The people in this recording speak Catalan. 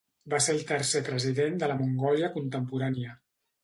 Va ser el tercer president de la Mongòlia contemporània.